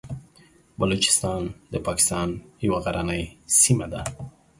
بلوچستان د پاکستان یوه غرنۍ سیمه ده.